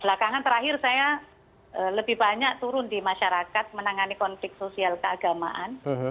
belakangan terakhir saya lebih banyak turun di masyarakat menangani konflik sosial keagamaan